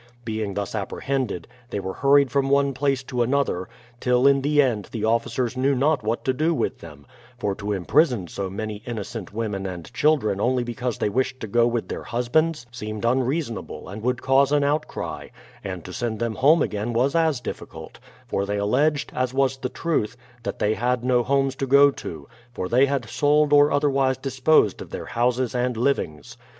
Being thus apprehended, they were hurried from one place to another, till in the end the officers knew not what to do with them; for to imprison so many innocent women and children only because they wished to go w'ith their husbands, seemed unreasonable and would cause an outcry; and to send them home again was as dif ficult, for they alleged, as was the truth, that they had no homes to go to, — for they had sold or otherwise disposed of their houses and livings.